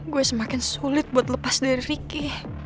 gue semakin sulit buat lepas dari fikih